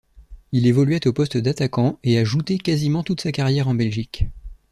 Il évoluait au poste d'attaquant et a jouté quasiment toute sa carrière en Belgique.